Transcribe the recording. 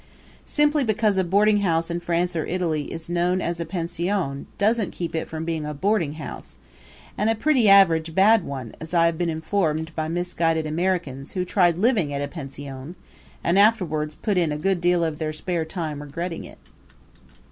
Simply because a boarding house in France or Italy is known as a pension doesn't keep it from being a boarding house and a pretty average bad one, as I have been informed by misguided Americans who tried living at a pension, and afterwards put in a good deal of their spare time regretting it.